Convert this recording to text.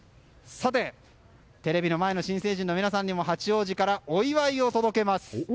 テレビの前の新成人の皆様に八王子からお祝いをお届けします。